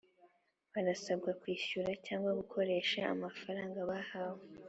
Barasabwa kwishyura cyangwa gukoresha amafaranga bahawe